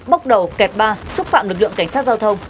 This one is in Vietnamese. bóc đầu kẹt ba xúc phạm lực lượng cảnh sát giao thông